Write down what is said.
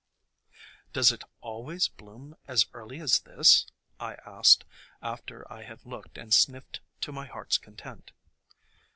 "Does it always bloom as early as this ?" I asked, after I had looked and sniffed to my heart's content.